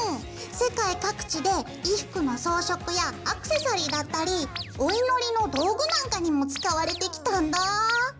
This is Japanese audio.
世界各地で衣服の装飾やアクセサリーだったりお祈りの道具なんかにも使われてきたんだ。